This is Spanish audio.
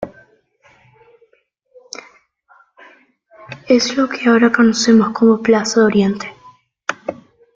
Es lo que ahora conocemos como plaza de Oriente.